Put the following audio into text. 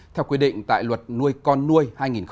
theo quy định tại luật nuôi con nuôi hai nghìn một mươi chín